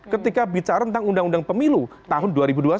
ketika bicara tentang undang undang pemilu tahun dua ribu dua belas